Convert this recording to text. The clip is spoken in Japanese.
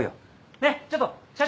ねえちょっと社長。